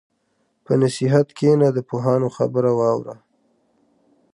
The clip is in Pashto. په نصیحت کښېنه، د پوهانو خبره واوره.